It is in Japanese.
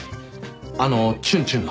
あのチュンチュンの。